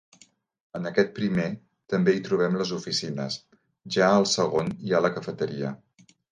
En aquest primer, també hi trobem les oficines; ja al segon, hi ha la cafeteria.